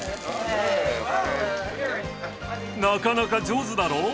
なかなか上手だろ？